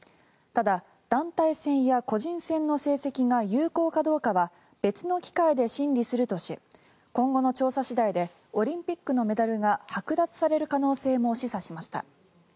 ただ、団体戦や個人戦の成績が有効かどうかは別の機会で審理するとし今後の調査次第でオリンピックのメダルがはく奪される可能性も示唆しました。